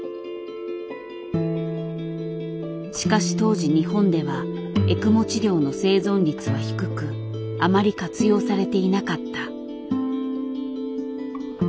しかし当時日本ではエクモ治療の生存率は低くあまり活用されていなかった。